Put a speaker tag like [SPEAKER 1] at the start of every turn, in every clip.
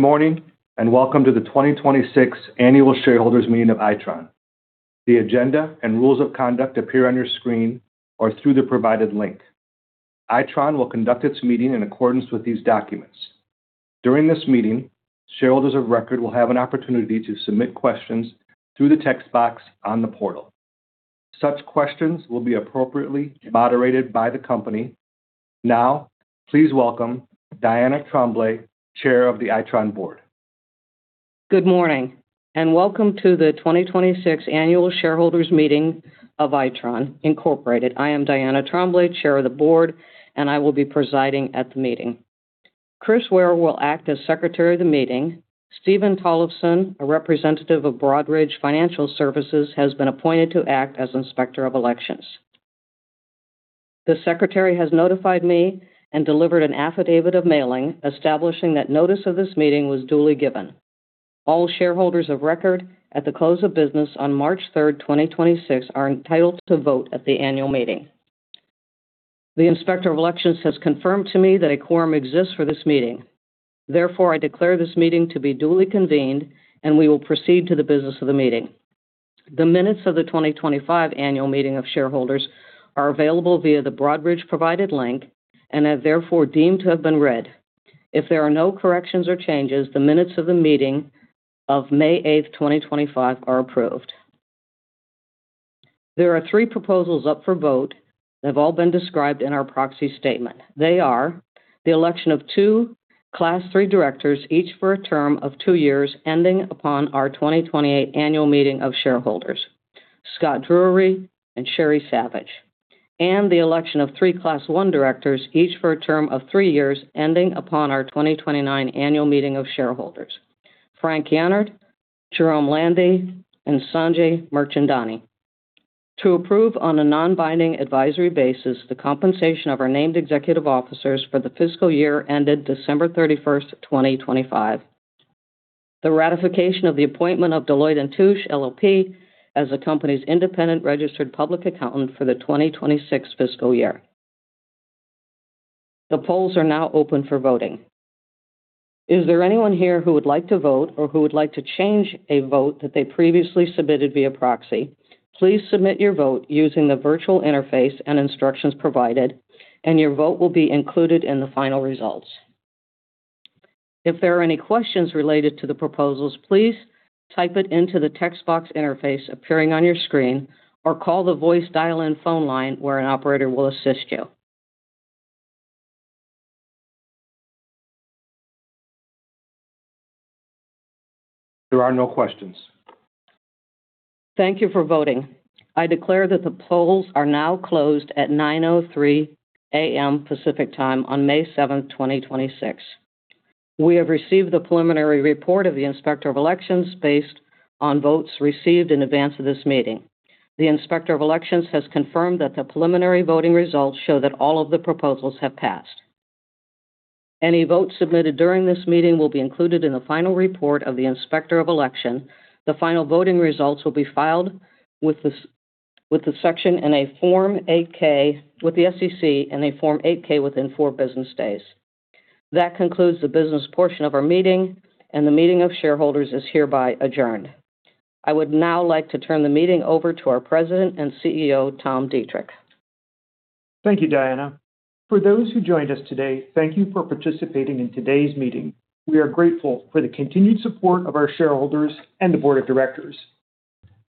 [SPEAKER 1] Morning, and welcome to the 2026 annual shareholders meeting of Itron. The agenda and rules of conduct appear on your screen or through the provided link. Itron will conduct its meeting in accordance with these documents. During this meeting, shareholders of record will have an opportunity to submit questions through the text box on the portal. Such questions will be appropriately moderated by the company. Now, please welcome Diana Tremblay, chair of the Itron board.
[SPEAKER 2] Good morning, welcome to the 2026 annual shareholders meeting of Itron, Inc. I am Diana D. Tremblay, Chair of the Board, and I will be presiding at the meeting. Chris Ware will act as Secretary of the Meeting. Steven Tollefson, a representative of Broadridge Financial Solutions, has been appointed to act as Inspector of Elections. The Secretary has notified me and delivered an affidavit of mailing establishing that notice of this meeting was duly given. All shareholders of record at the close of business on March 3, 2026 are entitled to vote at the annual meeting. The Inspector of Elections has confirmed to me that a quorum exists for this meeting. Therefore, I declare this meeting to be duly convened, and we will proceed to the business of the meeting. The minutes of the 2025 annual meeting of shareholders are available via the Broadridge provided link and are therefore deemed to have been read. If there are no corrections or changes, the minutes of the meeting of May 8th, 2025 are approved. There are three proposals up for vote that have all been described in our proxy statement. They are the election of two class three directors, each for a term of two years ending upon our 2028 annual meeting of shareholders, Scott Drury and Sheri Savage. The election of three class one directors, each for a term of three years ending upon our 2029 annual meeting of shareholders, Frank Jaehnert, Jerome Lande, and Sanjay Mirchandani. To approve on a non-binding advisory basis the compensation of our named executive officers for the fiscal year ended December 31st, 2025. The ratification of the appointment of Deloitte & Touche LLP as the company's independent registered public accountant for the 2026 fiscal year. The polls are now open for voting. Is there anyone here who would like to vote or who would like to change a vote that they previously submitted via proxy? Please submit your vote using the virtual interface and instructions provided, and your vote will be included in the final results. If there are any questions related to the proposals, please type it into the text box interface appearing on your screen or call the voice dial-in phone line, where an operator will assist you.
[SPEAKER 1] There are no questions.
[SPEAKER 2] Thank you for voting. I declare that the polls are now closed at 9:03 A.M. Pacific Time on May 7th, 2026. We have received the preliminary report of the Inspector of Elections based on votes received in advance of this meeting. The Inspector of Elections has confirmed that the preliminary voting results show that all of the proposals have passed. Any votes submitted during this meeting will be included in the final report of the Inspector of Elections. The final voting results will be filed with the SEC in a Form 8-K within four business days. That concludes the business portion of our meeting, and the meeting of shareholders is hereby adjourned. I would now like to turn the meeting over to our President and CEO, Tom Deitrich.
[SPEAKER 3] Thank you, Diana. For those who joined us today, thank you for participating in today's meeting. We are grateful for the continued support of our shareholders and the board of directors.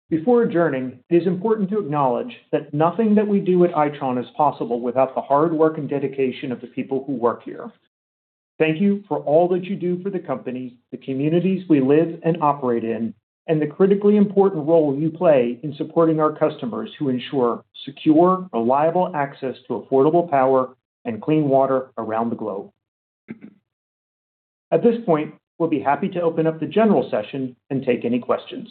[SPEAKER 3] Before adjourning, it is important to acknowledge that nothing that we do at Itron is possible without the hard work and dedication of the people who work here. Thank you for all that you do for the company, the communities we live and operate in, and the critically important role you play in supporting our customers who ensure secure, reliable access to affordable power and clean water around the globe. At this point, we'll be happy to open up the general session and take any questions.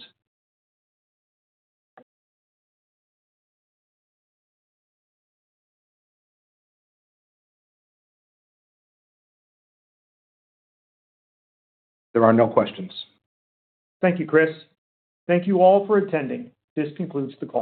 [SPEAKER 1] There are no questions.
[SPEAKER 3] Thank you, Chris. Thank you all for attending. This concludes the call.